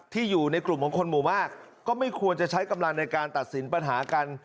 อยู่ในกลุ่มของคนหมู่มากก็ไม่ควรจะใช้กำลังในการตัดสินปัญหากัน